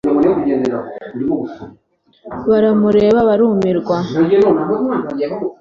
" Baramureba barumirwa